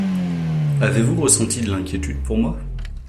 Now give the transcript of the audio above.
Avez-vous ressenti de l'inquiétude pour moi?